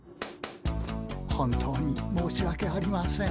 本当に申しわけありません。